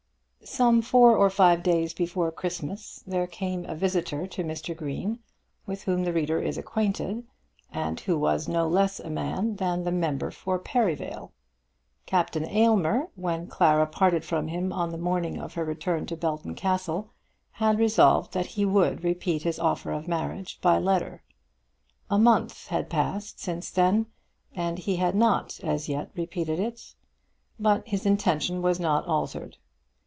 Some four or five days before Christmas there came a visitor to Mr. Green with whom the reader is acquainted, and who was no less a man than the Member for Perivale. Captain Aylmer, when Clara parted from him on the morning of her return to Belton Castle, had resolved that he would repeat his offer of marriage by letter. A month had passed by since then, and he had not as yet repeated it. But his intention was not altered.